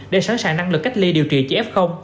để sẵn sàng năng lực cách ly điều trị cho f